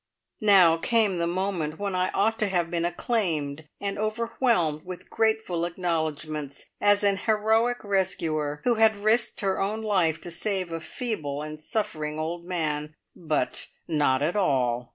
Now came the moment when I ought to have been acclaimed, and overwhelmed with grateful acknowledgments as an heroic rescuer, who had risked her own life to save a feeble and suffering old man; but not at all!